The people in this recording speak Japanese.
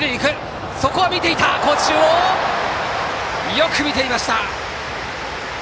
よく見ていました！